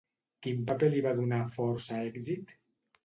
Quin paper li va donar força èxit?